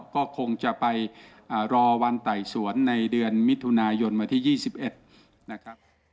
ก็คงจะไปรอวันไต่สวนในเดือนมิถุนายนวันที่๒๑นะครับ